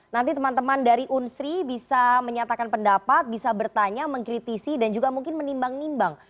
nanti teman teman dari unsri bisa menyatakan pendapat bisa bertanya mengkritisi dan juga mungkin menimbang nimbang